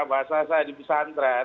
bahasa saya di bishantran